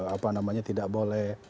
apa namanya tidak boleh